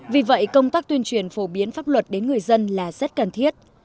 vì vậy công tác tuyên truyền phổ biến pháp luật đến người dân là rất cần thiết